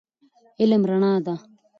علم رڼا ده